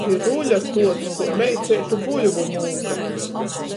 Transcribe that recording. Pi ruļa tuods kuo meiceitu buļvu mūka!